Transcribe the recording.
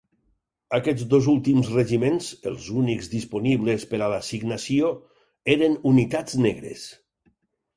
Aquests dos últims regiments, els únics disponibles per a l'assignació, eren unitats negres.